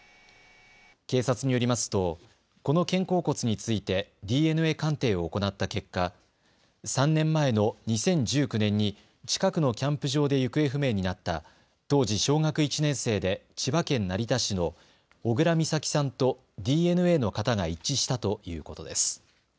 警察によりますとこの肩甲骨についてＤＮＡ鑑定を行った結果、３年前の２０１９年に近くのキャンプ場で行方不明になった当時小学１年生で千葉県成田市の小倉美咲さんとＤＮＡの型が一致したということです。